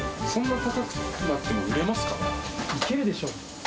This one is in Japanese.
そんな高くなっても売れますいけるでしょう。